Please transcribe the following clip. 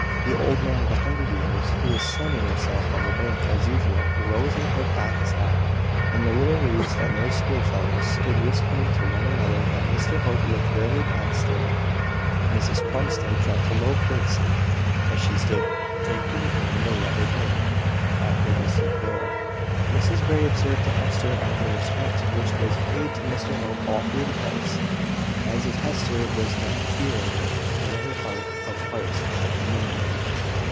The old man of a hundred years, who was sunning himself on the bank, as usual, rose and took off his hat: and the little Reeves and their schoolfellows stood whispering to one another that Mr Hope looked rarely bad still. Mrs Plumstead dropped a low curtsey, as she stood taking in the letter bag, at her distant door. Mrs Grey observed to Hester on the respect which was paid to Mr Hope all through the place, as if Hester was not feeling it in her heart of hearts at the moment.